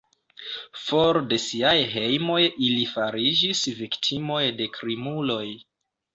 For de siaj hejmoj ili fariĝis viktimoj de krimuloj.